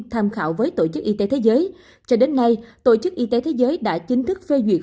tham khảo với tổ chức y tế thế giới cho đến nay tổ chức y tế thế giới đã chính thức phê duyệt